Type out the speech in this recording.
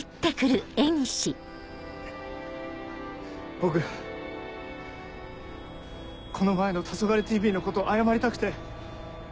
僕この前の『たそがれＴＶ』のこと謝りたくて。